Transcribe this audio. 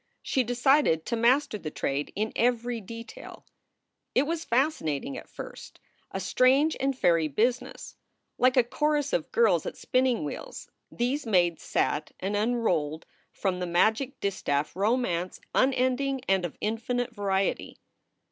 She decided to master the trade in every detail. It was fascinating at first a strange and fairy business. Like a chorus of girls at spinning wheels these maids sat and unrolled from the magic distaff romance unending and of infinite variety.